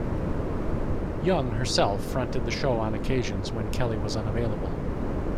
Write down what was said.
Young herself fronted the show on occasions when Kelly was unavailable.